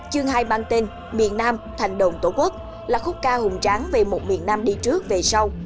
chương hai mang tên miền nam thành đồng tổ quốc là khúc ca hùng tráng về một miền nam đi trước về sau